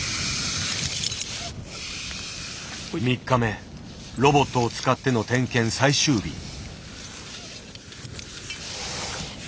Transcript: ３日目ロボットを使っての点検最終日。